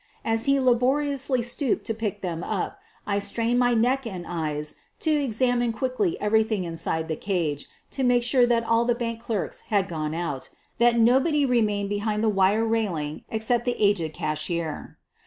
As he laboriously stooped to pick them up I strained my neck and eyes to examine quickly everything inside the cage to make sure that all the bank clerks had gone out — that nobody remained behind the wire railing except the aged cashier.